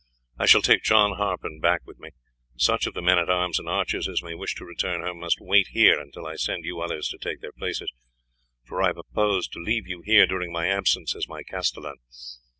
I shall take John Harpen back with me. Such of the men at arms and archers as may wish to return home must wait here until I send you others to take their places, for I propose to leave you here during my absence, as my castellan.